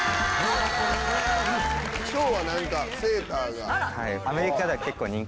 今日は何かセーターが。